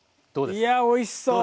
いやおいしそう。